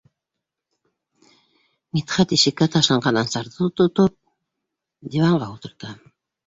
Мидхәт ишеккә ташланған Ансарҙы тотоп диванға ултырта.